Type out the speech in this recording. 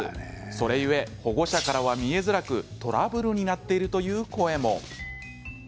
それ故、保護者からは見えづらくトラブルになっているという声も。